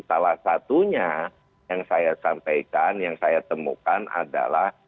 salah satunya yang saya sampaikan yang saya temukan adalah